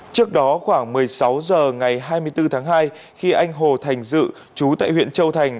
trước đó khoảng một mươi sáu h ngày hai mươi bốn tháng hai khi anh hồ thành dự chú tại huyện châu thành